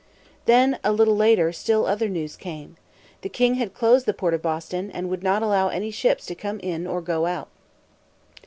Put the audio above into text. Then, a little later, still other news came. The king had closed the port of Boston, and would not allow any ships to come in or go out.